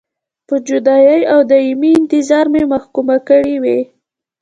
په جدایۍ او دایمي انتظار مې محکومه کړې وې.